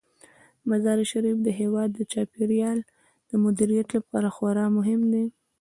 مزارشریف د هیواد د چاپیریال د مدیریت لپاره خورا مهم دی.